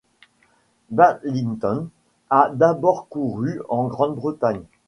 Ballington a d'abord couru en Grande-Bretagne.